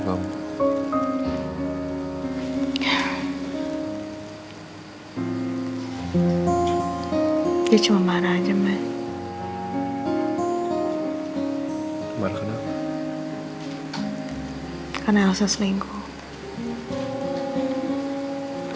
karena elsa selingkuh